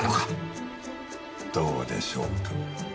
どうでしょうか。